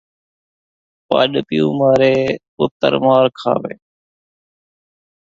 پݙ پیو مارے، پتر مار کھاوے